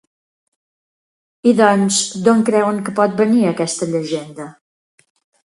I doncs, d'on creuen que pot venir aquesta llegenda?